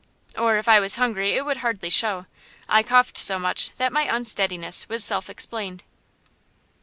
Or if I was hungry it would hardly show; I coughed so much that my unsteadiness was self explained.